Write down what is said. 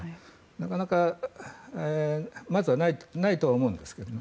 なかなかまずないと思うんですけどね。